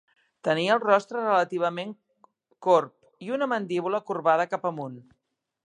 Tenia el rostre relativament corb i una mandíbula corbada cap amunt.